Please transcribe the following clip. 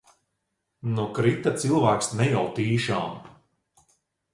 Nu, krita cilvēks, ne jau tīšām.